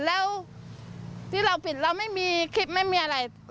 แล้วที่เราผิดเราไม่มีคลิปไม่มีอะไร